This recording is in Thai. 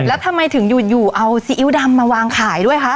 แล้วทำไมถึงอยู่เอาซีอิ๊วดำมาวางขายด้วยคะ